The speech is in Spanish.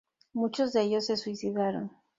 Muchos de ellos se suicidaron.